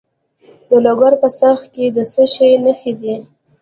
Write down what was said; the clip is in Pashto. د لوګر په څرخ کې د څه شي نښې دي؟